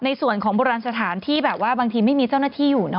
ในส่วนของโบราณสถานที่แบบว่าบางทีไม่มีเจ้าหน้าที่อยู่